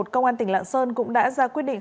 công an tỉnh lạng sơn cũng đã ra quyết định